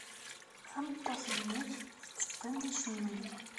Tameṭṭut-nnek tetteqqen acemmel?